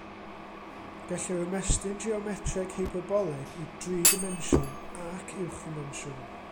Gellir ymestyn geometreg hyperbolig i dri dimensiwn ac uwch ddimensiwn.